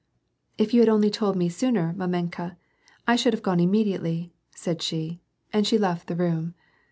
" If you had only told me sooner, mamenka, I should have gone immediately," said she, and she left the room.